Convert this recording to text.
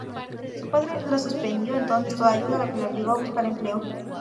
Su padre le suspendió entonces toda ayuda, lo que le obligó a buscar empleo.